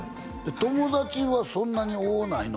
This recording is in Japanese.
友達はそんなに多ないの？